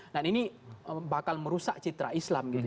nah ini bakal merusak citra islam gitu